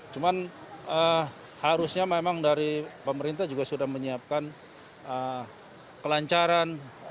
cuman harusnya memang dari pemerintah juga sudah menyiapkan kelancaran